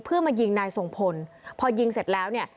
เพื่อมายิงนายทรงพลพอยิงเสร็จแล้วเนี่ย